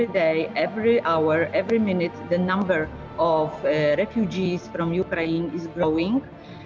setiap hari setiap menit jumlah warga ukraina berkembang